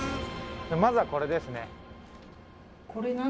まずはこれですね。